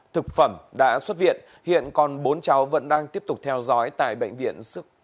thực phẩm đã xuất viện hiện còn bốn cháu vẫn đang tiếp tục theo dõi tại bệnh viện